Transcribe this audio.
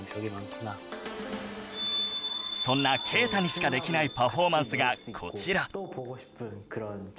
そんな佳汰にしかできないパフォーマンスがこちら